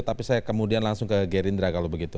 tapi saya kemudian langsung ke gerindra kalau begitu